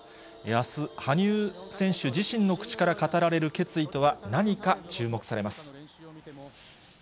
あす、羽生選手自身の口から語られる決意とは何か、注目されます。